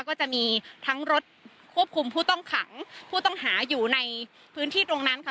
ก็จะมีทั้งรถควบคุมผู้ต้องขังผู้ต้องหาอยู่ในพื้นที่ตรงนั้นค่ะ